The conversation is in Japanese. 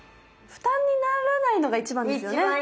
負担にならないのが一番ですよね。